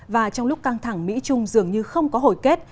và trong lúc căng thẳng mỹ trung dường như không có hồi kết